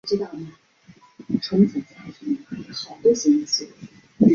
两个枕叶是人类脑颅皮质四对脑叶最小的一对。